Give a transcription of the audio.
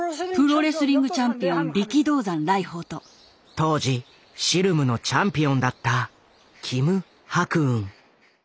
当時シルムのチャンピオンだったキム・ハクウン。